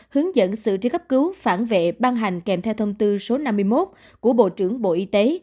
hướng dẫn sự tri cấp cứu phản vệ ban hành kèm theo thông tư số năm mươi một của bộ trưởng bộ y tế